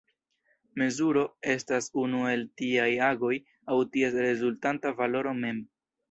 Mezuro estas unu el tiaj agoj aŭ ties rezultanta valoro mem.